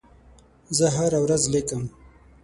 زه هره ورځ لیکم.